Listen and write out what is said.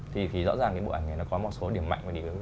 thì rõ ràng cái bộ ảnh này nó có một số điểm mạnh và điểm yếu